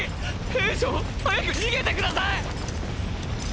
兵長早く逃げてください！！